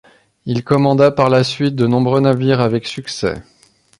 Il commanda par la suite de nombreux navires avec succès.